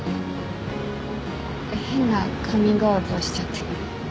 変なカミングアウトをしちゃって。